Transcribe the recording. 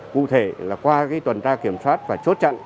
cụ thể là qua tuần tra kiểm soát và chốt chặn